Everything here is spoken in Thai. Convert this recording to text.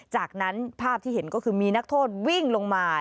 จากนั้นภาพที่เห็นก็คือมีนักโทษวิ่งลงมา